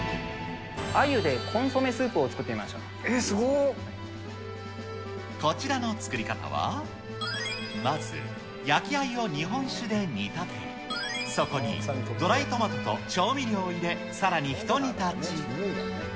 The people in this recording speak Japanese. あゆでコンソメスープを作っえっ、すごい。こちらの作り方は、まず焼きあゆを日本酒で煮立て、そこに、ドライトマトと調味料を入れ、さらにひと煮立ち。